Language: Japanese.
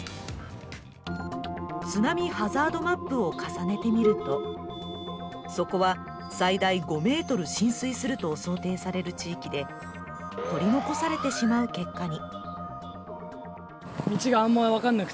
津波ハザードマップを重ねてみると、そこは最大５ｍ浸水すると想定される地域で、取り残されてしまう結果に。